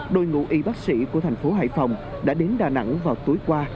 đội ngũ y bác sĩ của thành phố hải phòng đã đến đà nẵng vào tối qua